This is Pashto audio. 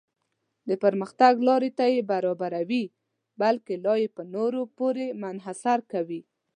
د پرمختګ لارې ته یې برابروي بلکې لا یې په نورو پورې منحصر کوي.